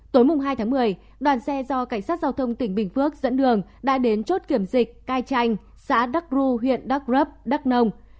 tối hai tháng một mươi đoàn xe do cảnh sát giao thông tỉnh bình phước dẫn đường đã đến chốt kiểm dịch cai chanh xã đắc ru huyện đắk rấp đắk nông